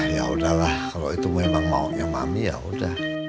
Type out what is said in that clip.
ya udahlah kalau itu memang maunya mami yaudah